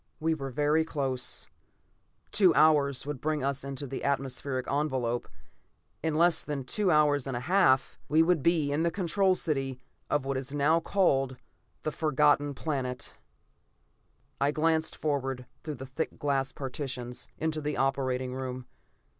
We were very close; two hours would bring us into the atmospheric envelope. In less than two hours and a half, we would be in the Control City of what is now called the Forgotten Planet! I glanced forward, through the thick glass partitions, into the operating room.